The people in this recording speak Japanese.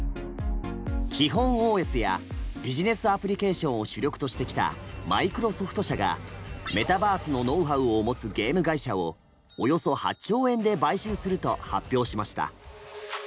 基本ＯＳやビジネスアプリケーションを主力としてきたマイクロソフト社がメタバースのノウハウを持つゲーム会社をおよそ８兆円で買収すると発表しました。